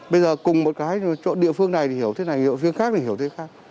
bây giờ cùng một cái chỗ địa phương này thì hiểu thế này hiệu phiên khác thì hiểu thế khác